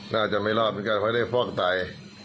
น่าจะไม่รอดเป็นการไฟได้ฟอกตาย